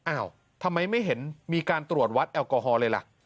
อ้าวทำไมไม่เห็นมีการตรวจวัดแอลกอฮอลเลยล่ะ